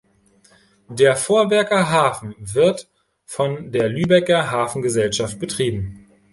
Der Vorwerker Hafen wird von der Lübecker Hafengesellschaft betrieben.